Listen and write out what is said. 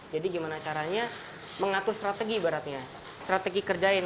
jadi gimana caranya mengatur strategi baratnya strategi kerjain